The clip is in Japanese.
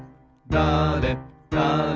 だれだれ